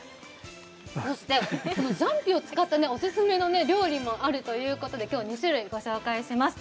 そしてジャンピーを使ったオススメのお料理があるということで２つご紹介します。